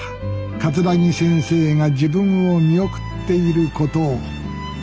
桂木先生が自分を見送っていることを。